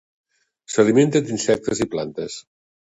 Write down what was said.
S'alimenta d'insectes i plantes.